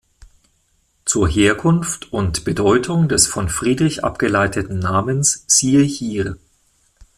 Zur Herkunft und Bedeutung des von Friedrich abgeleiteten Namens siehe hier.